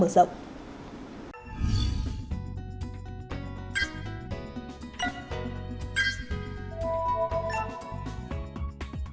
cảnh sát điều tra công an tỉnh cà mau